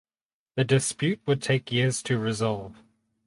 The dispute would take years to resolve.